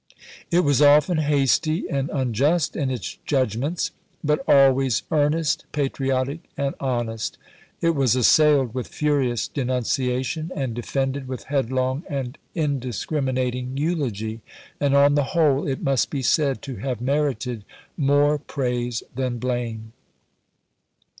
It was often hasty and unjust in its judgments, but always earnest, patriotic, and honest ; it was assailed with furious denunciation and defended with headlong and indiscriminating eulogy ; and on the whole it must be said to have merited more praise than blame.